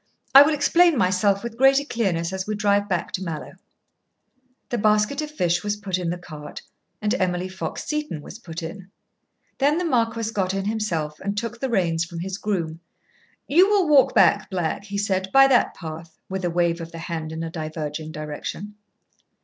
"I will explain myself with greater clearness as we drive back to Mallowe." The basket of fish was put in the cart, and Emily Fox Seton was put in. Then the marquis got in himself, and took the reins from his groom. "You will walk back, Black," he said, "by that path," with a wave of the hand in a diverging direction.